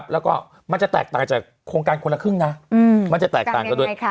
แล้วก็มันจะแตกต่างจากโครงการคนละครึ่งนะมันจะแตกต่างกันด้วย